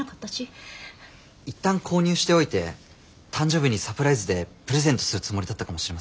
いったん購入しておいて誕生日にサプライズでプレゼントするつもりだったかもしれませんよ。